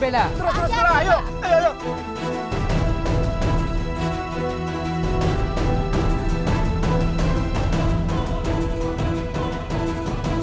bella ikut ke badan kamu bella